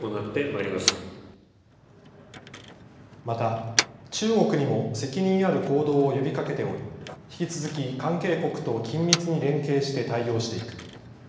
また、中国にも責任ある行動を呼びかけており引き続き関係国と緊密に連携して対応していく。